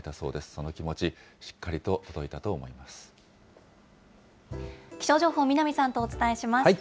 その気持ち、しっかりと届いたと気象情報、南さんとお伝えします。